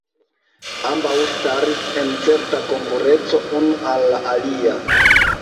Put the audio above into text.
Ambaŭ staris en certa konkurenco unu al la alia.